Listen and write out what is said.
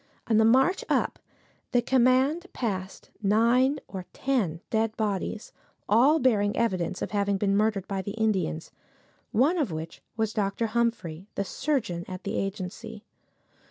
On the march up the command passed nine or ten dead bodies, all bearing evidence of having been murdered by the Indians, one of which was Dr. Humphrey, surgeon at the agency.